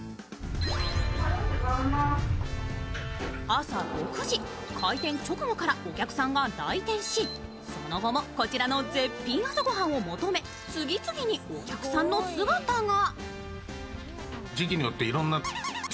朝６時、開店直後からお客さんが来店しその後もこちらの絶品朝御飯を求め、次々にお客さんの姿が。